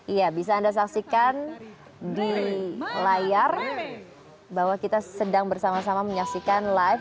iya bisa anda saksikan di layar bahwa kita sedang bersama sama menyaksikan live